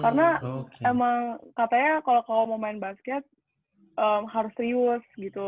karena emang katanya kalau mau main basket harus triwet gitu